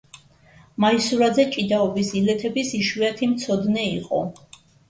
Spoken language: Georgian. მაისურაძე ჭიდაობის ილეთების იშვიათი მცოდნე იყო.